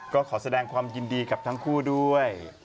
ก็ขอแสดงความยินดีกับทั้งคู่ด้วย